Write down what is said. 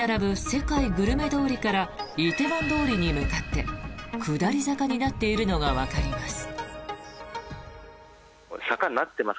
世界グルメ通りから梨泰院通りに向かって下り坂になっているのがわかります。